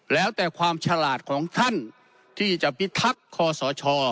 แล้วแต่ความฉลาดของท่านที่จะพิทักษ์คอสช